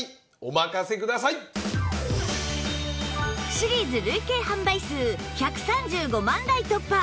シリーズ累計販売数１３５万台突破